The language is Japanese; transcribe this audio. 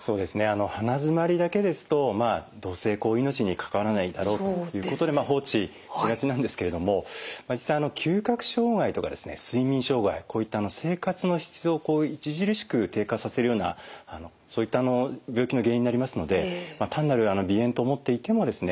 鼻づまりだけですとまあどうせ命に関わらないだろうということで放置しがちなんですけれども実際嗅覚障害とか睡眠障害こういった生活の質を著しく低下させるようなそういった病気の原因になりますので単なる鼻炎と思っていてもですね